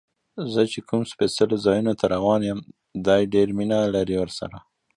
زه چې کوم سپېڅلو ځایونو ته روان یم، دې ډېر مینه لري ورسره.